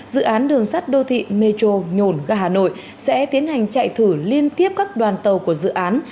dự án đường sắt đô thị metro nhổn ga hà nội sẽ tiến hành chạy thử liên tiếp các đoàn tàu của dự án